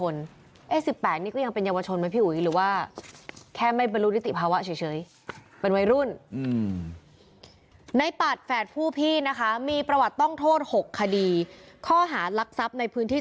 นอกมาข้างนอกออกมาข้างนอกออกมาข้างนอกออกมาข้างนอกออกมาข้างนอกออกมาข้างนอกออกมาข้างนอก